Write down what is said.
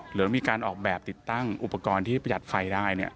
หรือมีการออกแบบติดตั้งอุปกรณ์ที่ประหยัดไฟได้